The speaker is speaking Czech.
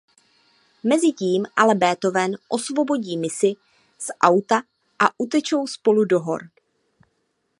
Mezitím ale Beethoven osvobodí Missy z auta a utečou spolu do hor.